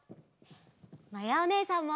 まやおねえさんも！